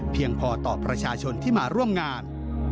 เพียงพอต่อประชาชนที่มาร่วมงาน